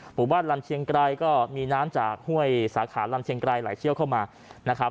หมู่บ้านลำเชียงไกรก็มีน้ำจากห้วยสาขาลำเชียงไกรไหลเชี่ยวเข้ามานะครับ